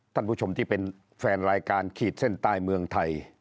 ท่านผู้ชมที่เป็นแฟนรายการขีดเส้นใต้เมืองไทย